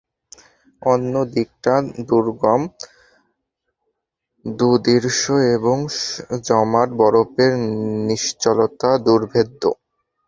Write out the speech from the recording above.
অন্য দিকটা দুর্গম, দুর্দৃশ্য এবং জমাট বরফের নিশ্চলতায় দুর্ভেদ্য।